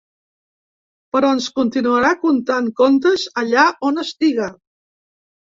Però ens continuarà contant contes allà on estiga.